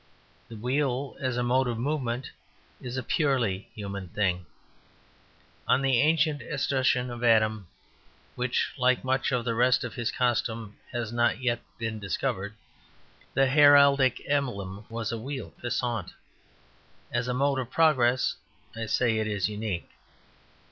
The wheel, as a mode of movement, is a purely human thing. On the ancient escutcheon of Adam (which, like much of the rest of his costume, has not yet been discovered) the heraldic emblem was a wheel passant. As a mode of progress, I say, it is unique.